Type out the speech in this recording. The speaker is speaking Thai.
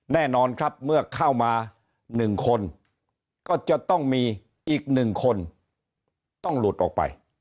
แน่นอนครับเมื่อเข้ามา๑คนก็จะต้องมีอีก๑คนต้องหลุดออกไป